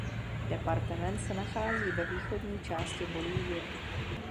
Departement se nachází ve východní části Bolívie.